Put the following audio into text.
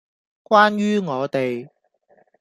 關於我地